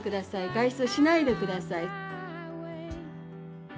外出しないでください。